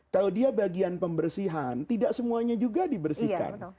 kalau dia bagian pembersihan tidak semuanya juga dibersihkan